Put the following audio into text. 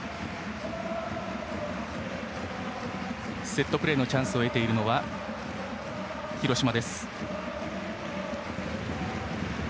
セットプレーのチャンスを得ているのは広島。